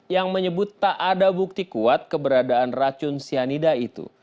yang menyebut tak ada bukti kuat keberadaan racun cyanida itu